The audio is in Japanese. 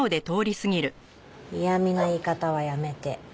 嫌みな言い方はやめて。